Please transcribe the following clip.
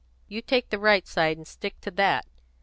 You take the right side, and stick to that.